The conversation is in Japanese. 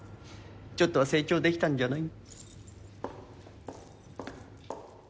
ちょっとは成長できたんじゃない？